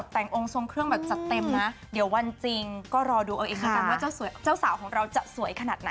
แต่งองค์ทรงเครื่องแบบจัดเต็มนะเดี๋ยววันจริงก็รอดูเอาอีกเหมือนกันว่าเจ้าสาวของเราจะสวยขนาดไหน